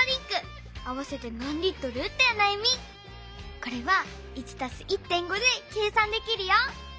これは「１＋１．５」で計算できるよ。